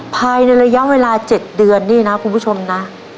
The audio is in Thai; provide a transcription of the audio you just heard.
ภายในระยะเวลา๗เดือนนี่นะคุณผู้ชมนะ